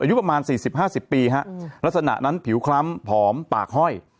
อายุประมาณ๔๐๕๐ปีฮะลักษณะนั้นผิวคล้ำผอมปากห้อย